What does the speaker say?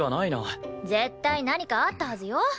絶対何かあったはずよ。